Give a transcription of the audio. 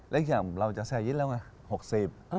แล้วอีกอย่างเราจะแทร่ยิ้นแล้วไง๖๐